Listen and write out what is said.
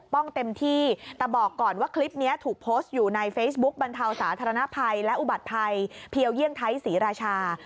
เต็มที่แต่บอกก่อนว่าคลิปนี้ถูกโพสต์อยู่ในเฟซบุ๊กบรรเทาสาธารณภัยและอุบัติภัยเพียวเยี่ยงไทยศรีราชา